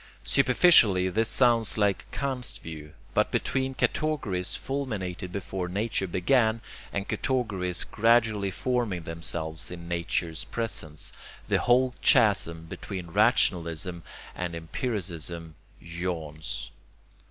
Superficially this sounds like Kant's view; but between categories fulminated before nature began, and categories gradually forming themselves in nature's presence, the whole chasm between rationalism and empiricism yawns.